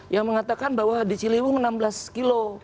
yang mengatakan bahwa di ciliwung enam belas kilo